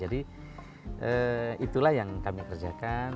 jadi itulah yang kami kerjakan